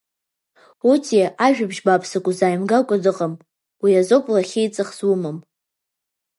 Отиа ажәабжь бааԥсык узааимгакәа дыҟам, уи азоуп лахьеиҵых зумам?